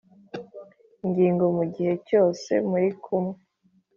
gingo mu gihe cyose muri kumwe.